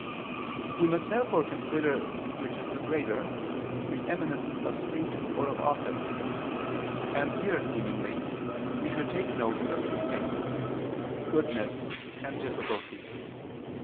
We must therefore consider which is the greater, preeminence of state or of office; and here, seemingly, we should take note of two things, goodness and difficulty.